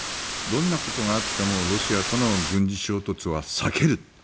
どんなことがあってもロシアとの軍事衝突は避ける。